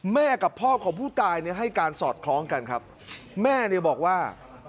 แม่กับพ่อของผู้ตายเนี่ยให้การสอดคล้องกันครับแม่เนี่ยบอกว่า